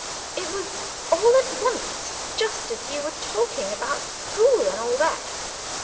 "It was all at once, just as you were talking about school and all that.